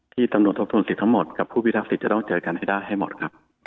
ตำรวจทบทวนสิทธิ์ทั้งหมดกับผู้พิทักษิตจะต้องเจอกันให้ได้ให้หมดครับ